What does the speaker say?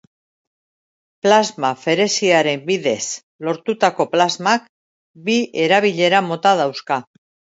Plasmaferesiaren bidez lortutako plasmak bi erabilera mota dauzka.